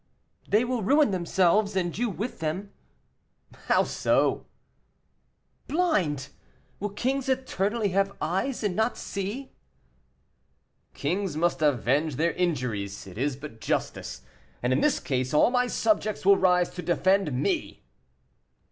"They will ruin themselves, and you with them." "How so?" "Blind! Will kings eternally have eyes, and not see?" "Kings must avenge their injuries, it is but justice, and in this case all my subjects will rise to defend me."